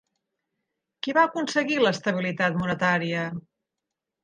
Qui va aconseguir l'estabilitat monetària?